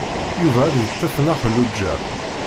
Yuba ad d-yeṭṭef Nna Xelluǧa.